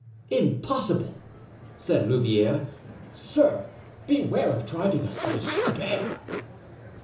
"Impossible!" said Louvieres; "sir, beware of driving us to despair."